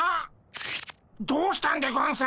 どうしたんでゴンス？